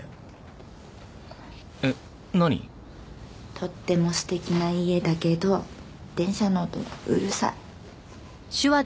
とっても素敵な家だけど電車の音がうるさい。